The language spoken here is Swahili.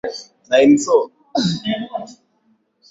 Mataifa ya Ulaya mwaka elfu mbili kumi na sita